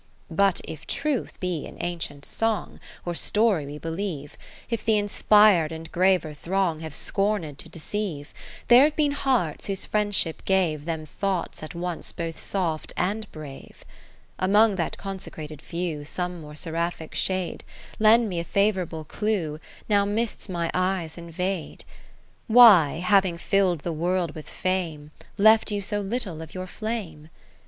in But if truth be in ancient song, Or story we believe, If the inspir'd and graver throng Have scorned to deceive ; There have been hearts whose friendship gave Them thoughts at once both soft and brave. IV Among that consecrated few. Some more seraphic shade 20 Lend me a favourable clew Now mists my eyes invade. Kath ertiie Philips Why, having fill'd the World with fame, Left you so little of your flame